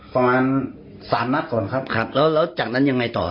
ประมาณสามนัดก่อนครับครับแล้วแล้วจากนั้นยังไงต่อ